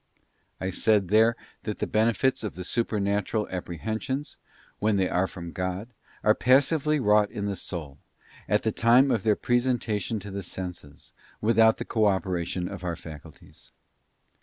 I said there that the benefits of the Supernatural Apprehensions, when they are from God, are passively wrought in the soul, at the time of their presentation to the senses, without the cooperation of our faculties.